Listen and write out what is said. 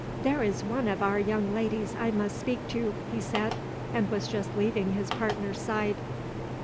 "There is one of our young ladies I must speak to," he said, and was just leaving his partner's side.